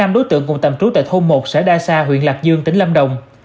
năm đối tượng cùng tạm trú tại thôn một xã đa sa huyện lạc dương tỉnh lâm đồng